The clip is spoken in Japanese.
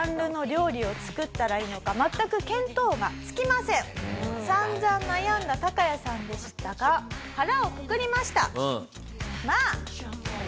けれどもまあ散々悩んだタカヤさんでしたが腹をくくりました。